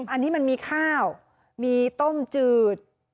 อันนี้มันมีข้าวมีต้มจืด